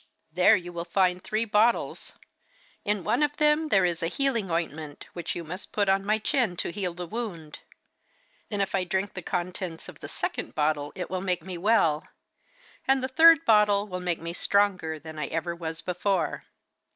There you will find three bottles. In one of them there is a healing ointment which you must put on my chin to heal the wound; then if I drink the contents of the second bottle it will make me well, and the third bottle will make me stronger than I ever was before.